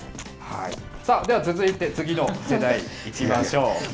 さあ、では続いて次の世代いきましょう。